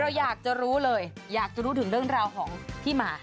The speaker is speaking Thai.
เราอยากจะรู้เลยอยากจะรู้ถึงเรื่องราวของที่มา